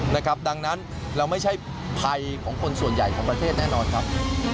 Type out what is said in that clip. นะครับดังนั้นเราไม่ใช่ภัยของคนส่วนใหญ่ของประเทศแน่นอนครับ